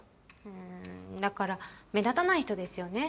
うんだから目立たない人ですよね。